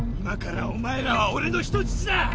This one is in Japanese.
今からお前らは俺の人質だ。